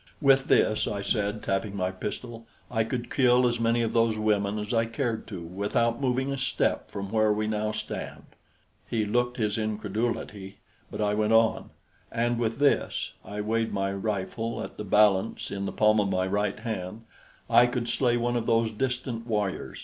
"With this," I said, tapping my pistol, "I could kill as many of those women as I cared to, without moving a step from where we now stand." He looked his incredulity, but I went on. "And with this" I weighed my rifle at the balance in the palm of my right hand "I could slay one of those distant warriors."